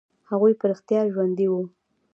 هغوى په رښتيا ژوندي وو.